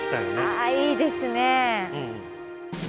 あいいですね。